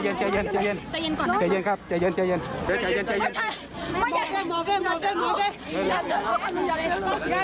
อยากจะเห็นว่าลูกเป็นยังไงอยากจะเห็นว่าลูกเป็นยังไง